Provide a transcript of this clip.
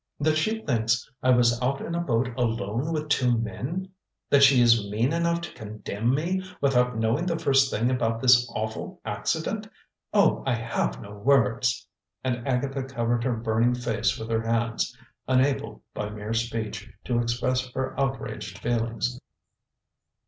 That she thinks I was out in a boat alone with two men? That she is mean enough to condemn me without knowing the first thing about this awful accident? Oh, I have no words!" And Agatha covered her burning face with her hands, unable, by mere speech, to express her outraged feelings.